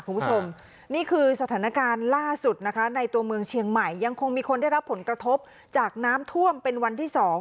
คุณผู้ชมนี่คือสถานการณ์ล่าสุดนะคะในตัวเมืองเชียงใหม่ยังคงมีคนได้รับผลกระทบจากน้ำท่วมเป็นวันที่๒